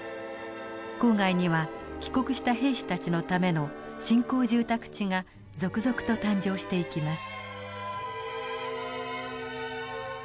郊外には帰国した兵士たちのための新興住宅地が続々と誕生していきます。